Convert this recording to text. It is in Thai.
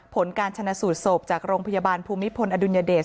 ผลการชนะสูตรศพจากโรงพยาบาลภูมิพลอดุลยเดช